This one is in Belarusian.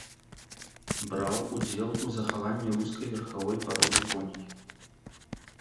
Браў удзел у захаванні рускай верхавой пароды коней.